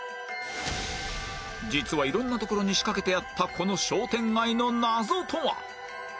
実は色んなところに仕掛けてあったこの商店街の謎とは？